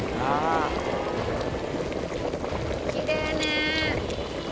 きれいね。